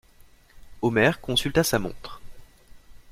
Omer consulta sa montre.